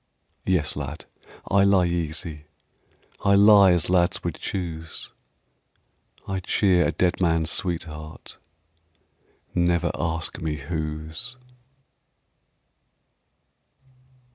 Yes, lad, I lie easy, I lie as lads would choose; I cheer a dead man's sweetheart, Never ask me whose.